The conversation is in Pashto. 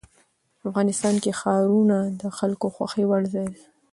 افغانستان کې ښارونه د خلکو خوښې وړ ځای دی.